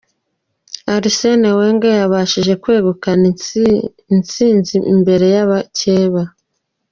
Arsene Wenger yabashije kwegukana intsinzi imbere y’abakeba.